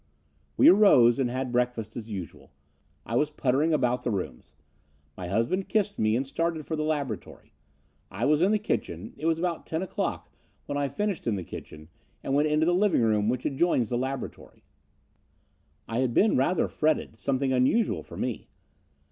"We arose and had breakfast as usual. I was puttering about the rooms. My husband kissed me and started for the laboratory. I was in the kitchen. It was about ten o'clock when I finished in the kitchen and went into the living room which adjoins the laboratory. I had been rather fretted, something unusual for me.